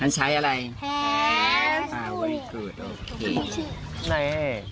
นั้นใช้อะไรแฮฟแฮฟ